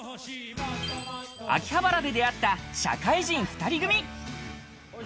秋葉原で出会った社会人２人組。